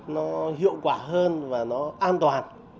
nó hiệu quả hơn và nó an toàn